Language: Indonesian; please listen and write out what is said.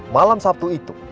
malam sabtu itu